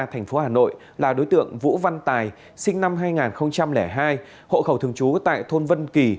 thành phố hà nội là đối tượng vũ văn tài sinh năm hai nghìn hai hộ khẩu thường trú tại thôn vân kỳ